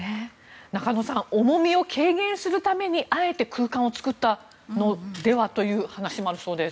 中野さん重みを軽減するためにあえて空間を作ったのではという話もあるそうです。